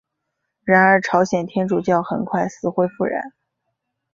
然而朝鲜天主教很快死灰复燃。